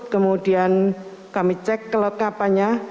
kemudian kami cek kelengkapannya